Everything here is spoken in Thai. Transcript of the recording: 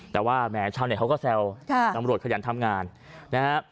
แต่ว่าไหมชาวในเขาก็เซลตำรวจทักทรียะนำทำงาน